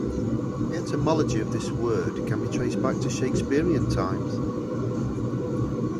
The etymology of this word can be traced back to Shakespearean times.